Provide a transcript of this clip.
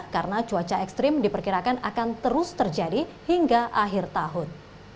karena cuaca ekstrim diperkirakan akan terus terjadi hingga akhir tahun